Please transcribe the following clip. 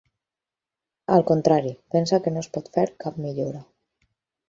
Al contrari, pensa que no es pot fer cap millora.